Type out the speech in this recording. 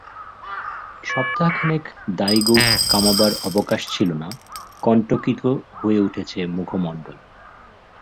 সপ্তাহখানেক দাড়িগোঁফ কামাবার অবকাশ ছিল না, কণ্টকিত হয়ে উঠেছে মুখমণ্ডল।